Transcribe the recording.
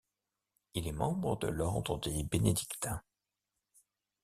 Il est membre de l'ordre des Bénédictins.